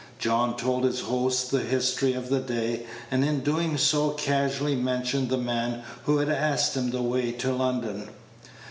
John told his host the history of the day, and in doing so casually mentioned the man who had asked him the way to London.